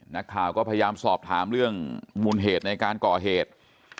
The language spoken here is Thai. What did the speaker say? นักข่าวก็พยายามสอบถามเรื่องมูลเหตุในการก่อเหตุ